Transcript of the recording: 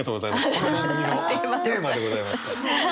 この番組のテーマでございます。